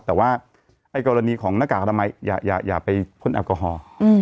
แต่ว่าไอ้กรณีของหน้ากากอะไรไม่อย่าอย่าอย่าไปพ่นแอลกอฮอล์อืม